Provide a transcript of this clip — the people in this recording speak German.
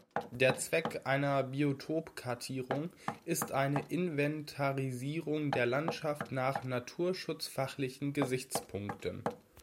Der Zweck einer Biotopkartierung ist eine Inventarisierung der Landschaft nach naturschutzfachlichen Gesichtspunkten.